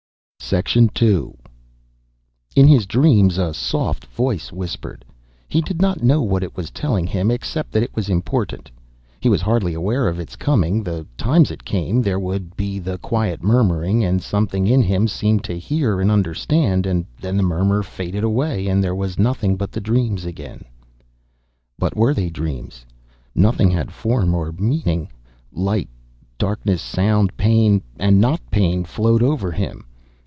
2. In his dreams, a soft voice whispered. He did not know what it was telling him, except that it was important. He was hardly aware of its coming, the times it came. There would be the quiet murmuring, and something in him seemed to hear and understand, and then the murmur faded away and there was nothing but the dreams again. But were they dreams? Nothing had form or meaning. Light, darkness, sound, pain and not pain, flowed over him.